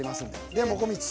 でもこみち。